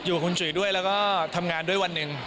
อยู่กับคุณจุ๋ยด้วยแล้วก็ทำงานด้วยวันหนึ่ง